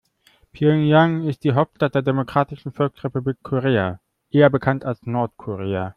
Pjöngjang ist die Hauptstadt der Demokratischen Volksrepublik Korea, eher bekannt als Nordkorea.